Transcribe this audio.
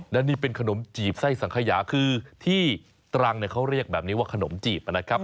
และนี่เป็นขนมจีบไส้สังขยาคือที่ตรังเขาเรียกแบบนี้ว่าขนมจีบนะครับ